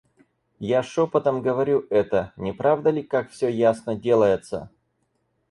Я шопотом говорю это... Не правда ли, как всё ясно делается?